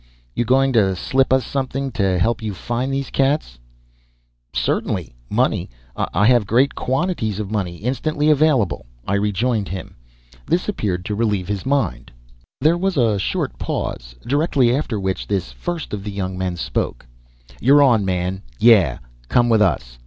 You going to slip us something to help you find these cats?" "Certainly, money. I have a great quantity of money instantly available," I rejoined him. This appeared to relieve his mind. There was a short pause, directly after which this first of the young men spoke: "You're on, man. Yeah, come with us.